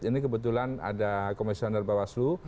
ini kebetulan ada komisioner bawaslu